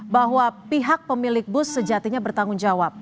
bahwa pihak pemilik bus sejatinya bertanggung jawab